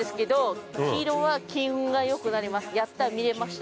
やった、見れました。